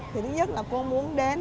thì thứ nhất là cô muốn đến